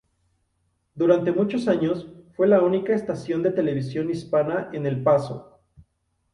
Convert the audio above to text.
Durante muchos años, fue la única estación de televisión hispana en El Paso.